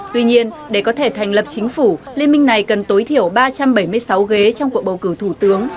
tuy nhiên để có thể thành lập chính phủ liên minh này cần tối thiểu ba trăm bảy mươi sáu ghế trong cuộc bầu cử thủ tướng